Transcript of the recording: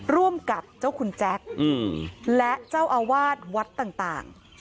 ร่วมกับเจ้าคุณแจ๊คและเจ้าอาวาสวัดต่าง